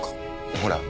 ほら。